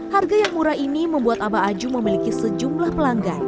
harga yang murah ini membuat abah aju memiliki sejumlah pelanggan